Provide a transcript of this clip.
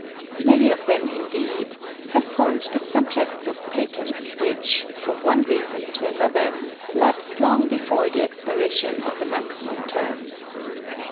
Many of them, indeed, have formed the subjects of patents which, from one reason or another, lapsed long before the expiration of the maximum terms.